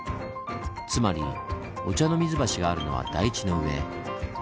つまりお茶の水橋があるのは台地の上。